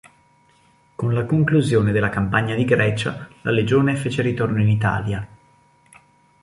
Con la conclusione della Campagna di Grecia la legione fece ritorno in Italia.